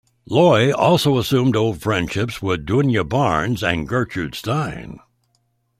Loy also resumed old friendships with Djuna Barnes and Gertrude Stein.